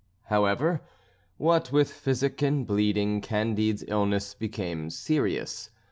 However, what with physic and bleeding, Candide's illness became serious.